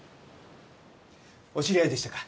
お知り合いでしたか。